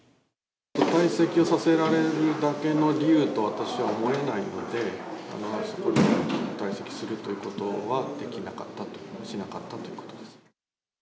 退席をさせられるだけの理由とは、私は思えないので、あそこで退席するということはできなかったと、しなかったということです。